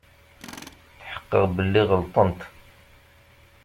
Tḥeqqeɣ belli ɣelṭen-t.